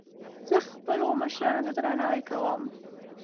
زه خپلو مشرانو ته درناوی کوم